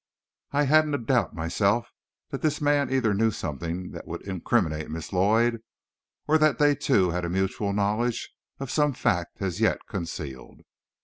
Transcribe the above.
I hadn't a doubt, myself, that the man either knew something that would incriminate Miss Lloyd, or that they two had a mutual knowledge of some fact as yet concealed.